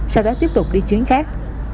sau đó tiếp tục đi chuyến khác